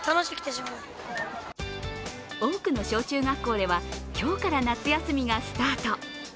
多くの小中学校では、今日から夏休みがスタート。